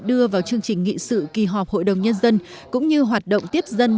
đưa vào chương trình nghị sự kỳ họp hội đồng nhân dân cũng như hoạt động tiếp dân